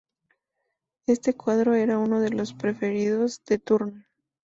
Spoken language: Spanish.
Este cuadro era uno de los preferidos de Turner.